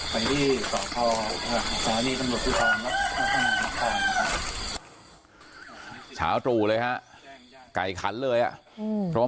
ไปที่สตศนี้จัดส่วนท่านพอแหล่ง